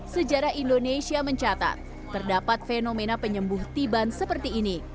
sejarah indonesia mencatat terdapat fenomena penyembuh tiban seperti ini